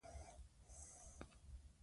نورې ښځې شهيدانېدلې وې.